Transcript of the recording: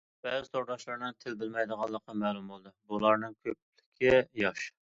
بەزى تورداشلارنىڭ تىل بىلمەيدىغانلىقى مەلۇم بولدى، بۇلارنىڭ كۆپچىلىكى ياش.